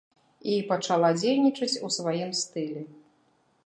І пачала дзейнічаць у сваім стылі.